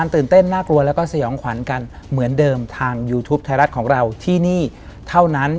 ทุกไทยรัฐของเราที่นี่เท่านั้น